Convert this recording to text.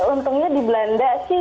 untungnya di belanda sih